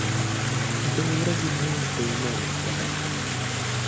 • د ورځې لمونځ د ایمان نښه ده.